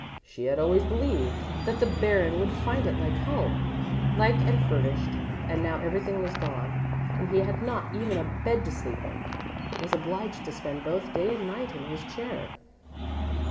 She had always believed that the Baron would find it home like and furnished, and now everything was gone, and he had not even a bed to sleep in, but was obliged to spend both day and night in his chair.